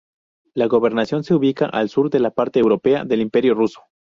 La gobernación se ubicaba al sur de la parte europea del Imperio ruso.